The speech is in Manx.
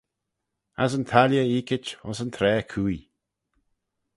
As yn tailley eeckit ayns yn traa cooie.